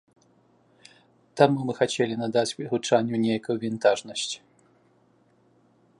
Таму мы хацелі надаць гучанню нейкую вінтажнасць.